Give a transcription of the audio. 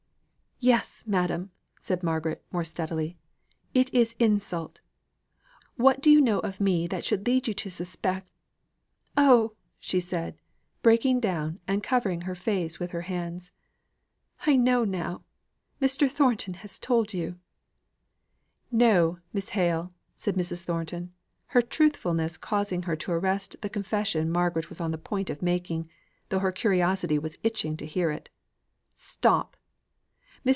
"Yes, madam," said Margaret more steadily, "it is insult. What do you know of me that should lead you to suspect Oh!" said she, breaking down, and covering her face with her hands "I know now, Mr. Thornton has told you " "No, Miss Hale," said Mrs. Thornton, her truthfulness causing her to arrest the confession Margaret was on the point of making, though her curiosity was itching to hear it. "Stop. Mr.